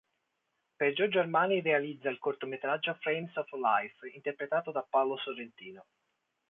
Per Giorgio Armani realizza il cortometraggio “Frames of Life”, interpretato da Paolo Sorrentino.